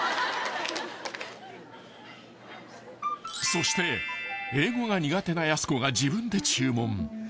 ［そして英語が苦手なやす子が自分で注文］